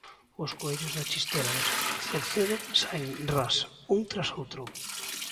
Os coellos da chistera do señor Cerceda saen ras, un tras outro.